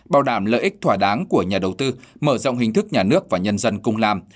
bảo đảm lợi ích thỏa đáng của nhà đầu tư mở rộng hình thức nhà nước và nhân dân cung làm